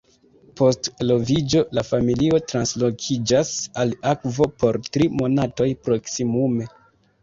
Post eloviĝo la familio translokiĝas al akvo por tri monatoj proksimume.